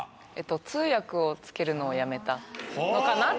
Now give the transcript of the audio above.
通訳をつけるのをやめたのかなって思います。